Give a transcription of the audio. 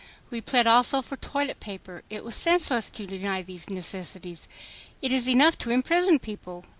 We plead also for toilet paper. It was senseless to deny these necessities. It is enough to imprison people.